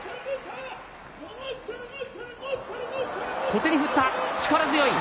小手に振った、力強い。